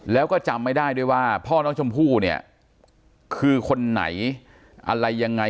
แล้วก็จำไม่ได้ด้วยว่าพ่อน้องชมพู่เนี่ยคือคนไหนอะไรยังไง